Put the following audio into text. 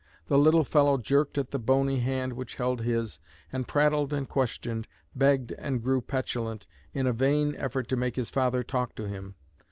The little fellow jerked at the bony hand which held his, and prattled and questioned, begged and grew petulant, in a vain effort to make his father talk to him.